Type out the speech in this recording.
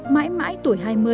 mãi mãi tuổi hai mươi